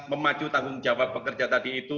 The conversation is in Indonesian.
memacu tanggung jawab pekerja tadi itu